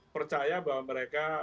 percaya bahwa mereka